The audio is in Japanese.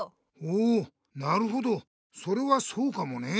ほうなるほどそれはそうかもね。